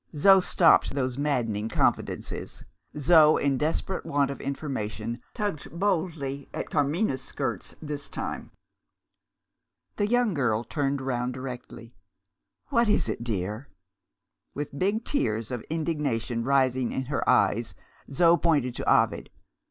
Zo stopped those maddening confidences; Zo, in desperate want of information, tugged boldly at Carmina's skirts this time. The young girl turned round directly. "What is it, dear?" With big tears of indignation rising in her eyes, Zo pointed to Ovid.